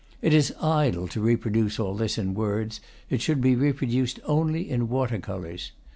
It is idle to attempt to reproduce all this in words; it should be reproduced only in water colors.